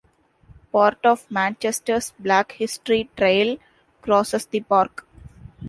Part of Manchester's Black History Trail crosses the park.